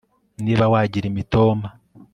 niba wagira imitoma